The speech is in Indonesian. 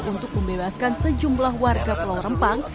untuk membebaskan sejumlah warga pulau rempang